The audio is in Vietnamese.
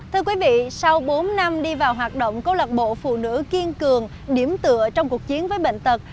thưa quý vị sau bốn năm đi vào hoạt động câu lạc bộ phụ nữ kiên cường điểm tựa trong cuộc chiến với bệnh tật